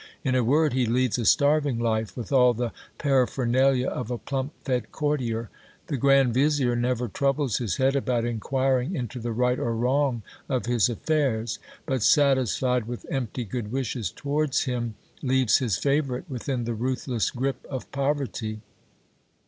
In a word, he leads a starving life, with all the paraphernalia of a plump fed courtier. The grand vizier never troubles his head about inquiring into the right or wrong of his affairs ; but satisfied with empty good wishes towards him, leaves his favourite within the ruthless gripe of poverty.